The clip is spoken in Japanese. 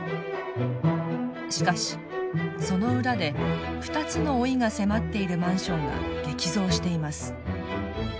しかしその裏で２つの“老い”が迫っているマンションが激増しています。